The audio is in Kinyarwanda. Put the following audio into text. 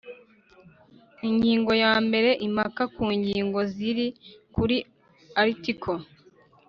Ingingo ya mbere Impaka ku ngingo ziri kuri Article